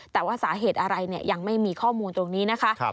แต่ว่าสาเหตุอะไรเนี่ยยังไม่มีข้อมูลตรงนี้นะคะ